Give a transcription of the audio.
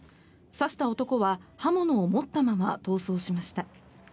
刺した男は刃物を持ったまま逃走しました。